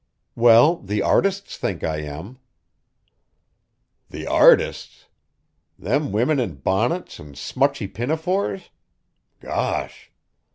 "Well, the artists think I am!" "The artists? Them womin in bonnets and smutchy pinafores? Gosh!"